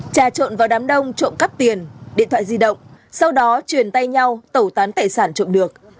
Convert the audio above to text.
trà trộn vào đám đông trộm cắp tiền điện thoại di động sau đó truyền tay nhau tẩu tán tài sản trộm được